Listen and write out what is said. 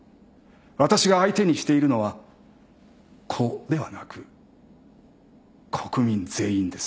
私が相手にしているのは個ではなく国民全員です。